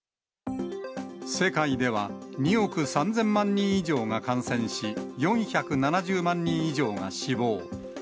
世界では２億３０００万人以上が感染し、４７０万人以上が死亡。